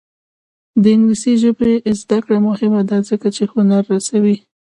د انګلیسي ژبې زده کړه مهمه ده ځکه چې هنر رسوي.